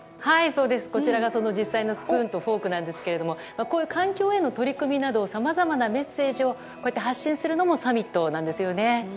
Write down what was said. こちらがその実際のスプーンとフォークなんですがこういう環境への取り組みなどさまざまなメッセージを発信するのもサミットなんです。